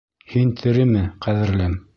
— Һин тереме, ҡәҙерлем?